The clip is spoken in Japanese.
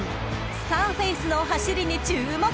スカーフェイスの走りに注目！］